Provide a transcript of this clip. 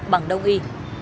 bằng đông y